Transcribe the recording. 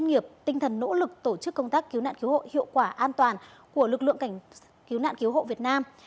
đoàn công tác cứu nạn cứu hộ hiệu quả an toàn của lực lượng cảnh cứu nạn cứu hộ việt nam